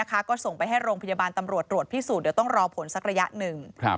ก็ส่งไปให้โรงพยาบาลตำรวจตรวจพิสูจน์เดี๋ยวต้องรอผลสักระยะหนึ่ง